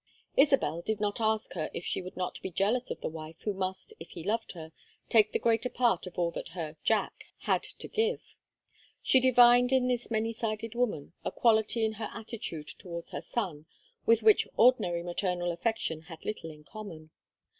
Isabel did not ask her if she would not be jealous of the wife who must, if he loved her, take the greater part of all that her "Jack" had to give; she divined in this many sided woman a quality in her attitude towards her son with which ordinary maternal affection had little in common.